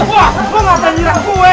wah lu ngapa nyerah gue